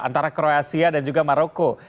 antara kroasia dan juga maroko